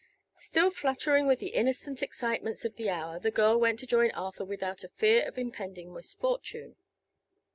Still fluttering with the innocent excitements of the hour the girl went to join Arthur without a fear of impending misfortune.